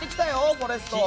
フォレスト。